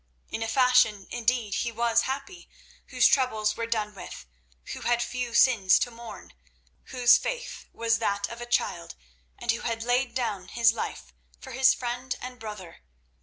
In a fashion, indeed, he was happy, whose troubles were done with, who had few sins to mourn, whose faith was the faith of a child, and who laid down his life for his friend and brother.